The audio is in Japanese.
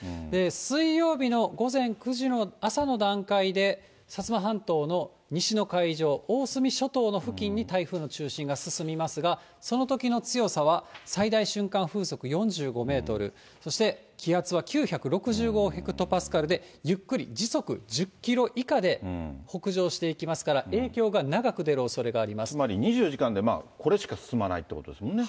水曜日の午前９時の、朝の段階で、薩摩半島の西の海上、大隅諸島の付近に台風の中心が進みますが、そのときの強さは最大瞬間風速４５メートル、そして、気圧は９６５ヘクトパスカルで、ゆっくり、時速１０キロ以下で北上していきますから、つまり、２４時間でこれしか進まないということですもんね。